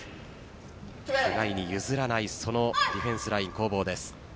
手前に譲らないディフェンスライン攻防です。